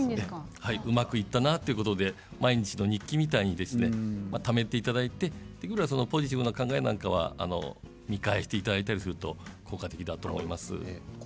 うまくいったなということで毎日の日記みたいにためていただいてポジティブな考えなんかは見返していただいたりすると効果的だと思います。